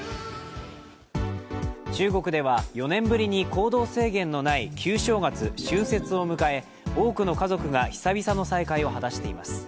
中国では４年ぶりに行動制限のない旧正月＝春節を迎え、多くの家族が久々の再会を果たしています。